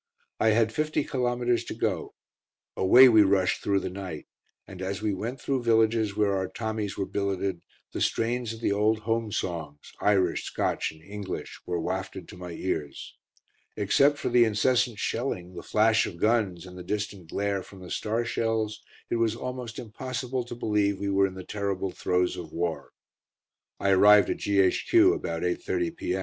I had fifty kilometres to go. Away we rushed through the night, and as we went through villages where our Tommies were billeted, the strains of the old home songs Irish, Scotch and English were wafted to my ears. Except for the incessant shelling, the flash of guns, and the distant glare from the star shells, it was almost impossible to believe we were in the terrible throes of war. I arrived at G.H.Q. about 8.30 p.